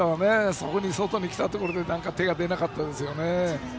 そこに外に来たところで手が出なかったですね。